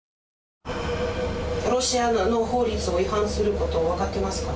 ロシアの法律を違反することを分かってますか？